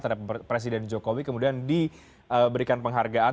terhadap presiden jokowi kemudian diberikan penghargaan